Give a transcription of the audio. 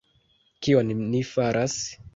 Kion ni faras?